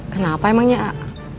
kenapa emangnya ah